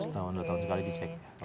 setahun dua tahun sekali dicek